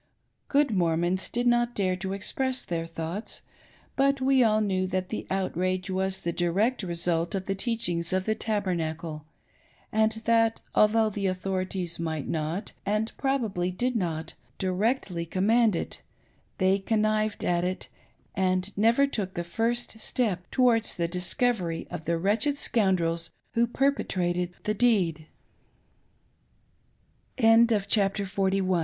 Good Mormons did not dare to express their thoughts ; but we all knew thai the outrage was the direct result of the teachings o£ the Tabernacle, and that although the authorities might not, and proTiably did not, directly command it, they connived at it, and never took the first step towards the discovery of the wretched scoundrels who p